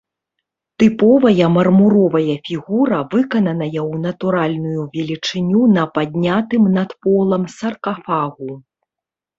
Тыповая мармуровая фігура, выкананая ў натуральную велічыню на паднятым над полам саркафагу.